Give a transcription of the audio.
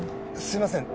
すいません